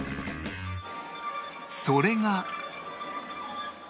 それが